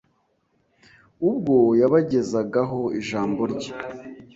Ubwo yabagezagaho ijambo rye,